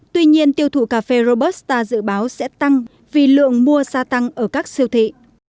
tuy nhiên tiêu thụ cà phê robusta dự báo sẽ tăng vì lượng mua xa tăng ở các siêu thị